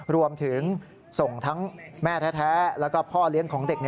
รวมถึงส่งทั้งแม่แท้แล้วก็พ่อเลี้ยงของเด็ก